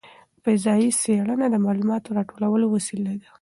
فضايي څېړنه د معلوماتو راټولولو وسیله ده.